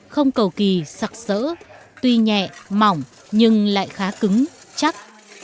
không cầu kỳ sặc sỡ tuy nhẹ mỏng nhưng lại khá cứng chắc